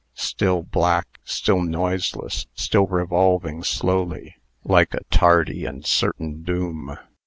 Still black, still noiseless, still revolving slowly, like a tardy but certain doom.